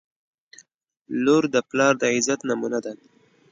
• لور د پلار د عزت نمونه ده.